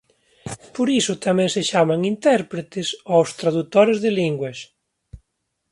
Por iso tamén se chaman "intérpretes" ós tradutores de linguas.